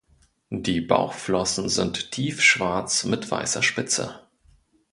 Die Bauchflossen sind tiefschwarz mit weißer Spitze.